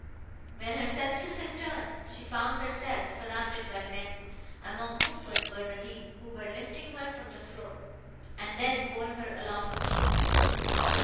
When her senses returned, she found herself surrounded by men, among whom was Barnardine, who were lifting her from the floor, and then bore her along the chamber.